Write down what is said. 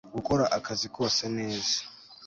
gukora akazi kose neza